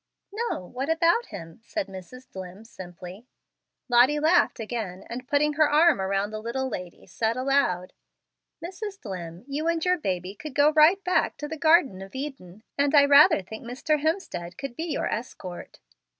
"No, what about him?" said Mrs. Dlimm, simply. Lottie laughed again, and putting her arm around the little lady said, aloud: "Mrs. Dlimm, you and your baby could go right back to the Garden of Eden, and I rather think Mr. Hemstead could be your escort."